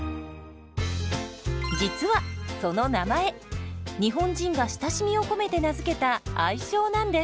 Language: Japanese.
実はその名前日本人が親しみを込めて名付けた愛称なんです。